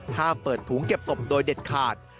ห้ามเปิดถุงเก็บศพโดยเด็ดขาด